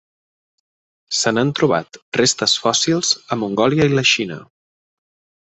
Se n'han trobat restes fòssils a Mongòlia i la Xina.